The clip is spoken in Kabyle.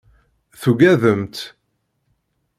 Tuggademt.